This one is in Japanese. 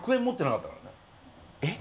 えっ？